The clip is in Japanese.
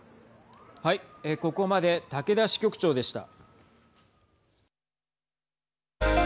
ここまで竹田支局長でした。